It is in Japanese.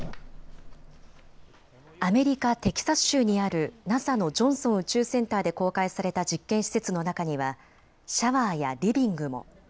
アメリカ・テキサス州にあるＮＡＳＡのジョンソン宇宙センターで公開された実験施設の中にはシャワーやリビングも。